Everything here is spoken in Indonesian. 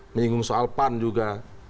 menyinggung soal pan juga